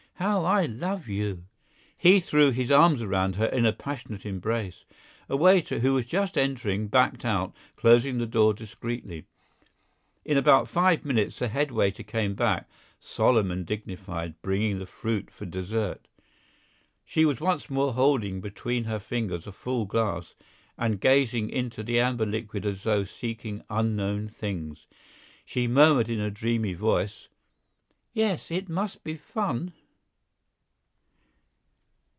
how I love you!" He threw his arms around her in a passionate embrace. A waiter, who was just entering, backed out, closing the door discreetly. In about five minutes the head waiter came back, solemn and dignified, bringing the fruit for dessert. She was once more holding between her fingers a full glass, and gazing into the amber liquid as though seeking unknown things. She murmured in a dreamy voice: "Yes, it must be fun!"